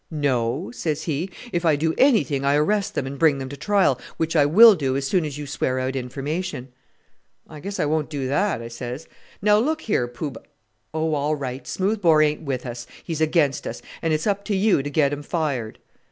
'No,' says he; 'if I do anything I arrest them and bring them to trial, which I will do as soon as you swear out information.' 'I guess I won't do that,' I says. Now, look here, Poo B , oh, all right, Smoothbore ain't with us, he's against us, and it's up to you to get him fired."